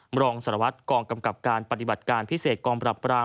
รองสารวัตรกองกำกับการปฏิบัติการพิเศษกองปรับปราม